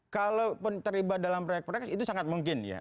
kalaupun terlibat dalam proyek proyek itu sangat mungkin ya